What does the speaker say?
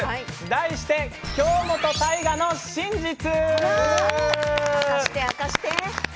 題して「京本大我の真実」。